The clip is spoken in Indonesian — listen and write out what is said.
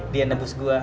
dia nebus gue